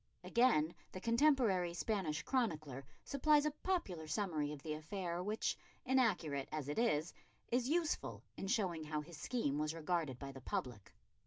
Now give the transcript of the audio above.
Again the contemporary Spanish chronicler supplies a popular summary of the affair which, inaccurate as it is, is useful in showing how his scheme was regarded by the public.